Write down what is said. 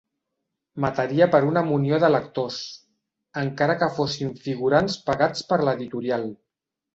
Mataria per una munió de lectors, encara que fossin figurants pagats per l'editorial.